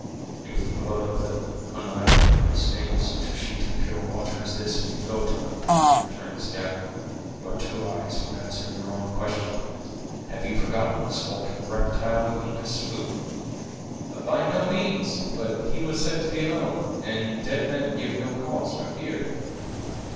"If the blood of an Oneida could stain such a sheet of pure water as this we float on," returned the scout, "your two eyes would answer your own question. Have you forgotten the skulking reptile Uncas slew?" "By no means. But he was said to be alone, and dead men give no cause for fear."